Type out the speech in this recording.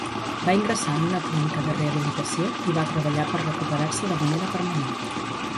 Va ingressar en una clínica de rehabilitació i va treballar per recuperar-se de manera permanent.